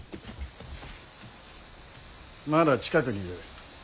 まだ近くにいる。